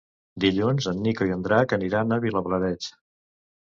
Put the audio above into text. Dilluns en Nico i en Drac aniran a Vilablareix.